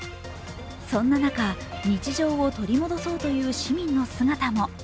そんな中、日常を取り戻そうという市民の姿も。